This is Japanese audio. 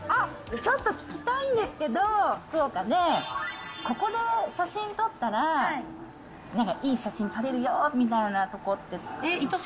ちょっと聞きたいんですけど、福岡で、ここで写真撮ったら、なんかいい写真撮れるよみたいなとこって。